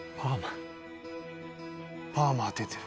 「パーマ当ててる」